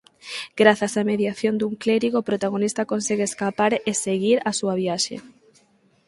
Grazas a mediación dun clérigo o protagonista consegue escapar e seguir a súa viaxe.